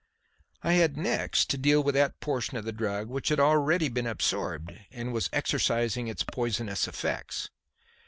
I had next to deal with that portion of the drug which had already been absorbed and was exercising its poisonous effects.